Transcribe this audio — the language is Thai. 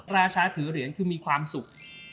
ราชาถือเหรียญคือมีความสุข